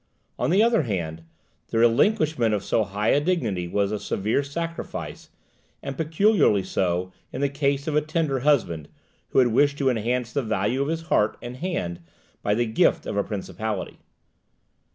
On the other hand, the relinquishment of so high a dignity was a severe sacrifice, and peculiarly so in the case of a tender husband, who had wished to enhance the value of his heart and hand by the gift of a principality.